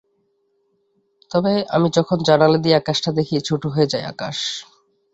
তবে আমি যখন জানালা দিয়ে আকাশটা দেখি, ছোট হয়ে যায় আকাশ।